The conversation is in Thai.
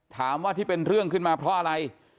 ถามว่าที่เป็นเรื่องขึ้นมาเพราะอะไร